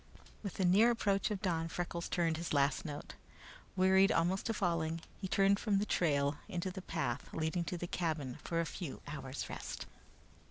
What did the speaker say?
With the near approach of dawn Freckles tuned his last note. Wearied almost to falling, he turned from the trail into the path leading to the cabin for a few hours' rest.